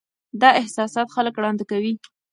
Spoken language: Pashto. دا احساسات خلک ړانده کوي.